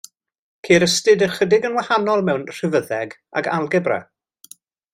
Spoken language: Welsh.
Ceir ystyr ychydig yn wahanol mewn rhifyddeg ac algebra.